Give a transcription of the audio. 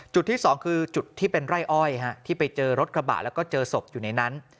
จุดที่สองคือจุดที่เป็นไร่อ้อยที่ไปเจอรถกระบะแล้วก็เจอศพอยู่ในนั้น